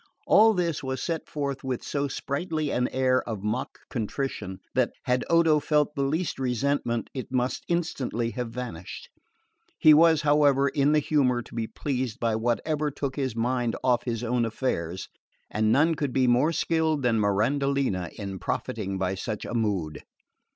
All this was set forth with so sprightly an air of mock contrition that, had Odo felt the least resentment, it must instantly have vanished. He was, however, in the humour to be pleased by whatever took his mind off his own affairs, and none could be more skilled than Mirandolina in profiting by such a mood.